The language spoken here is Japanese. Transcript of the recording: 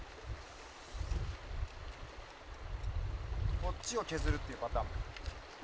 こっちを削るっていうパターンも。